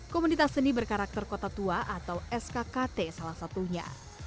komunitas seni berkarakter kota tua atau skkt salah satunya